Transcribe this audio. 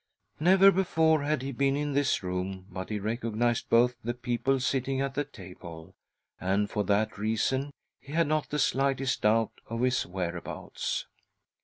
Never before had he been in this room, but he recognised both the people sitting at the table, and, for that reason, he had not the slightest doubt of his whereabouts.